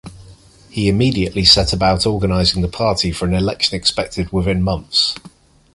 He immediately set about organizing the party for an election expected within months.